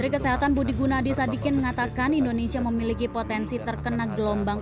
menteri kesehatan budi gunadi sadikin mengatakan indonesia memiliki potensi terkena gelombang